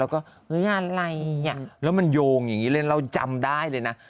แล้วก็อะไรอ่ะแล้วมันโยงอย่างนี้เลยเราจำได้เลยนะ